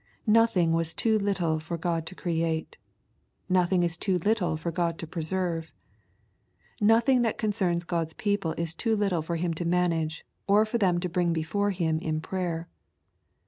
Nothing was too litfle for God to create. Nothing is too little for God to preserve. Nothing that concerns God's people is too little for Him to manage, or for them to bring before Him in prayer.